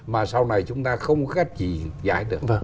mà sau này chúng ta không có cách gì giải được